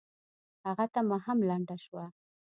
هغه تمه هم لنډه شوه.